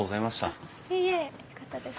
あっいいえよかったです。